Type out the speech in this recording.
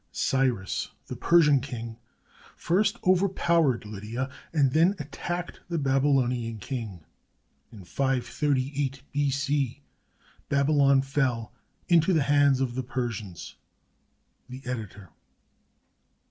Cyrus, the Persian king, first overpowered Lydia, and then attacked the Babylonian king. In 538 B.C., Babylon fell into the hands of the Persians. The Editor.